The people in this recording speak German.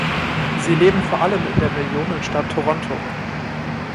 Sie leben vor allem in der Millionenstadt Toronto.